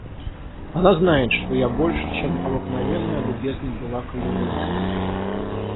Она знает, что я больше, чем обыкновенно, любезна была к ее мужу.